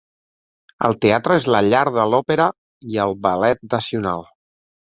El teatre és la llar de l'Òpera i el Ballet Nacional.